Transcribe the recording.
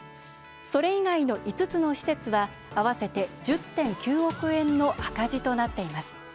それ以外の５つの施設は合わせて１０．９億円の赤字となっています。